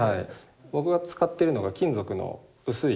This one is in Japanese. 僕が使っているのが金属の薄い。